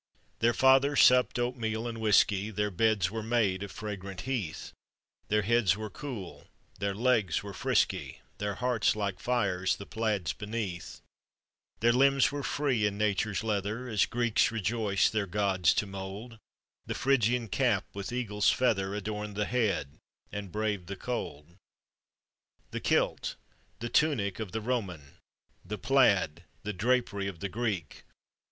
Their fathers supped oatmeal and whisky, Their beds were made of fragrant heath, Their heads were cool, their legs were frisky, Their hearts like tires the plaids beneath. POEMS ON OR ABOUT THE MACLKANS. 425 Their limbs were free in nature's leather, As Greeks rejoiced their gods to mold ; The Phrygian cap with eagle's feather Adorned the head and braved the cold. The kilt! the tunic of the Roman ! The plaid, the drapery of the Greek